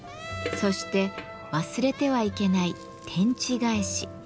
そして忘れてはいけない「天地返し」。